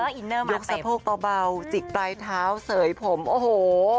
ยกสะโพกเบาจิกปลายเท้าเสยผมโอ้โห